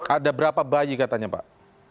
ada berapa bayi katanya pak